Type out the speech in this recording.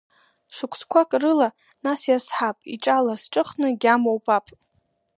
Шықәсқәак рыла нас иазҳап, иҿалаз ҿыхны агьама убап.